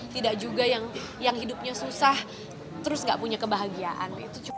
tidak juga yang hidupnya susah terus gak punya kebahagiaan